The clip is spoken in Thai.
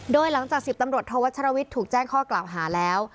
โดยหลังจาก๑๐ตำรวจโทวัชรวิทย์ถูกแจ้งข้อกล่าวหาแล้ว